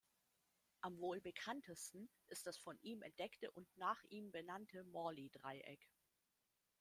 Am wohl bekanntesten ist das von ihm entdeckte und nach ihm benannte Morley-Dreieck.